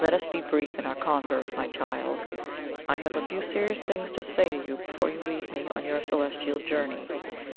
Let us be brief in our converse, my child. I have a few serious things to say to you before you leave me, on your celestial journey."